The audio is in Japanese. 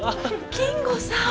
金吾さん。